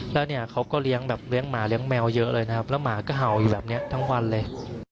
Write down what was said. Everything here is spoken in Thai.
แล้วเนี่ยเขาก็เลี้ยงแบบเลี้ยงหมาเลี้ยงแมวเยอะเลยนะครับแล้วหมาก็เห่าอยู่แบบนี้ทั้งวันเลย